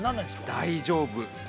大丈夫。